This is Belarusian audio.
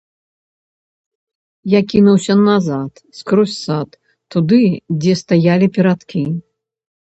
Я кінуўся назад, скрозь сад, туды, дзе стаялі перадкі.